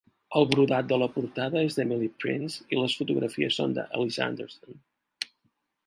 El brodat de la portada és de Emily Prince i les fotografies són de Alissa Anderson.